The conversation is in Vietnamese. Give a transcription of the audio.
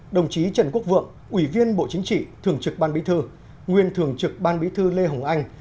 đồng chí trần quốc vượng ủy viên bộ chính trị thường trực ban bí thư nguyên thường trực ban bí thư lê hồng anh